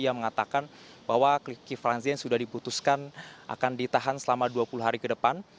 yang mengatakan bahwa kiflan zen sudah diputuskan akan ditahan selama dua puluh hari ke depan